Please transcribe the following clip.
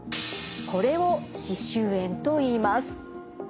これを歯周炎といいます。